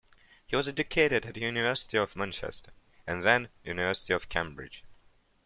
He was educated at University of Manchester, and then University of Cambridge.